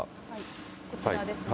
こちらですね。